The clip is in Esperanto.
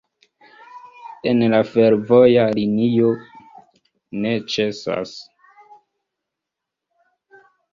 En la fervoja linio ne ĉesas.